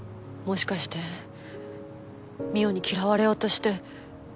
もしかして望緒に嫌われようとして。